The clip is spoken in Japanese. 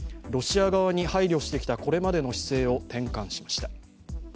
ロシア側に配慮してきたこれまでの姿勢を転換しました。